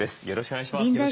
よろしくお願いします。